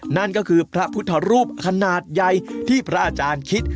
นั่นก็คือพระพุทธรูปขนาดใหญ่ที่พระอาจารย์คิด